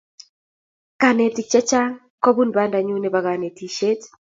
Kanetkei chechang kobun bandanyu nebo kanetisyet.